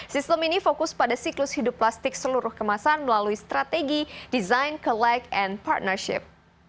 sistem ini fokus pada siklus hidup plastik seluruh kemasan melalui strategi desain collect and partnership